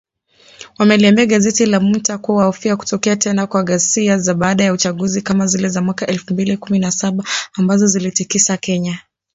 Wameliambia gazeti la Monitor kuwa wanahofia kutokea tena kwa ghasia za baada ya uchaguzi kama zile za mwaka elfu mbili na saba ambazo ziliitikisa Kenya